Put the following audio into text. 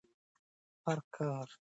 هر کار مالي ملاتړ ته اړتیا لري.